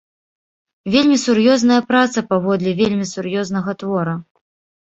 Вельмі сур'ёзная праца паводле вельмі сур'ёзнага твора.